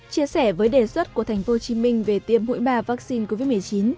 chia sẻ với đề xuất của tp hcm về tiêm mũi ba vaccine covid một mươi chín